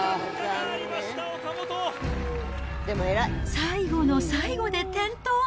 最後の最後で転倒。